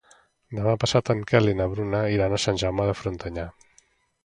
Demà passat en Quel i na Bruna iran a Sant Jaume de Frontanyà.